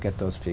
và quốc gia